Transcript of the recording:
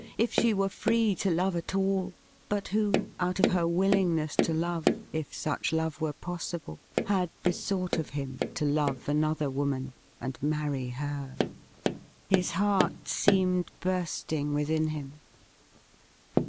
— if she were free to love at all, but who, out of her willingness to love, if such love were possible, had besought of him to love another woman and marry her.? His heart seemed bui sting within him.